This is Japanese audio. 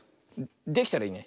できたらいいね。